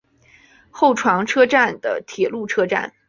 厚床车站的铁路车站。